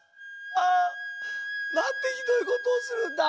あなんてひどいことをするんだ。